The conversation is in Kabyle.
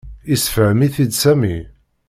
Yessefhem-it-id Sami.